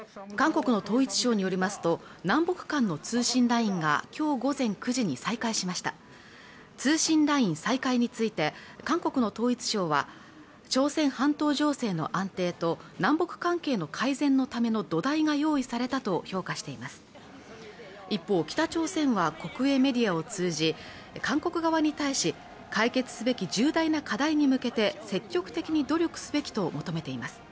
韓国の統一省によりますと南北間の通信ラインがきょう午前９時に再開しました通信ライン再開について韓国の統一省は朝鮮半島情勢の安定と南北関係の改善のための土台が用意されたと評価しています一方、北朝鮮は国営メディアを通じ韓国側に対し解決すべき重大な課題に向けて積極的に努力すべきと求めています